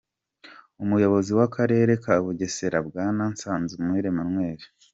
Umuyobozi w’akarere ka Bugesera, Bwana Nsanzumuhire Emmanuel